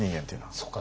そうか。